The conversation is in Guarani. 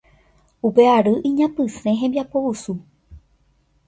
Upe ary iñapysẽ hembiapovusu